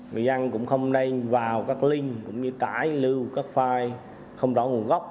người dân cũng không nên vào các link cũng như tải lưu các file không rõ nguồn gốc